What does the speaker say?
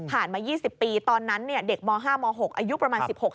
มา๒๐ปีตอนนั้นเด็กม๕ม๖อายุประมาณ๑๖